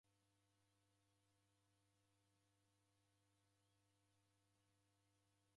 Ow'uya cha mzinyi kwa mae chaghu chendaoma.